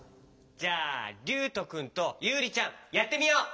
じゃありゅうとくんとゆうりちゃんやってみよう！